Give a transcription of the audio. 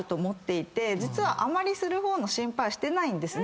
実はあまりする方の心配はしてないんです。